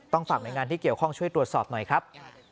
ฝากหน่วยงานที่เกี่ยวข้องช่วยตรวจสอบหน่อยครับ